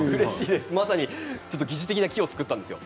まさに疑似的な木を作ったんですよ。